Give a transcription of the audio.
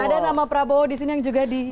ada nama prabowo disini yang juga dicuitkan